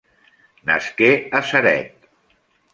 Nasqué a Ceret.